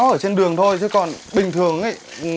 ở trên đường thôi chứ còn bình thường ấy